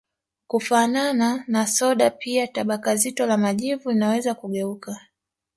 Kufanana na soda pia tabaka zito la majivu linaweza kugeuka